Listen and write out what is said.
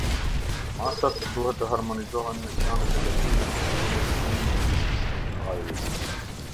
Masat duhet të harmonizohen me planet e veprimit për përmirësimin e cilësisë së ajrit.